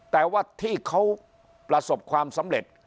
แต่ว่าที่เขาประสบความสำเร็จ